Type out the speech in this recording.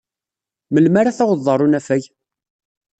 Melmi ara tawḍed ɣer unafag?